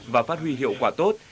và phát huy hiệu quả tốt